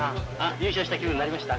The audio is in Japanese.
優勝した気分になりました？